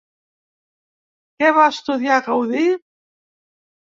Què va estudiar Gaudí?